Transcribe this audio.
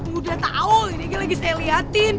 udah tau ini lagi saya liatin